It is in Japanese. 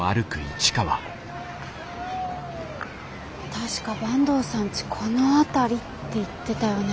確か坂東さんちこの辺りって言ってたよね。